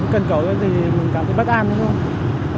cân cầu thì mình cảm thấy bất an lắm